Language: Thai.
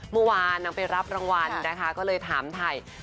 เมื่อวานนางไปรับรางวัลอยากถามไทย